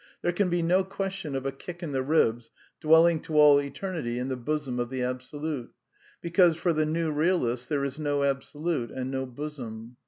There can be no ques tion of a kick in the ribs dwelling to all eternity in the bosom of the Absolute ; because, for the new realist, there is no Absolute and no bosom.